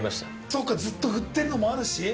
そうかずっと振ってるのもあるし。